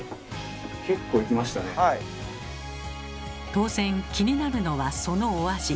当然気になるのはそのお味。